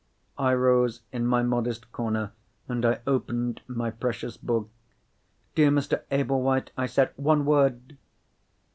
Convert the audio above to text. I rose in my modest corner, and I opened my precious book. "Dear Mr. Ablewhite," I said, "one word!"